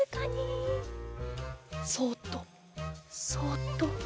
そっとそっと。